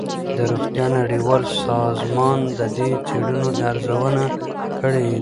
د روغتیا نړیوال سازمان د دې څېړنو ارزونه کړې ده.